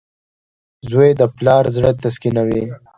• زوی د پلار زړۀ تسکینوي.